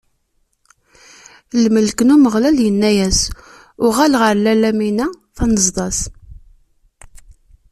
Lmelk n Umeɣlal inna-as: Uɣal ɣer lalla-m tanzeḍ-as.